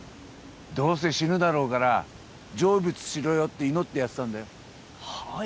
どうせ死ぬだろうから成仏しろよって祈ってやってたんだよはあ？